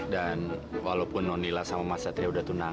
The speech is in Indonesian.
dan walaupun nonila sama mas satria udah tunangan